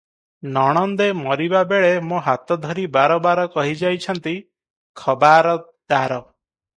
ନଣନ୍ଦେ ମରିବା ବେଳେ ମୋ ହାତ ଧରି ବାର ବାର କହି ଯାଇଛନ୍ତି, 'ଖବାରଦାର!